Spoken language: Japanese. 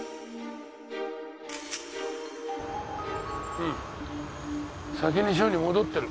うん先に署に戻ってる。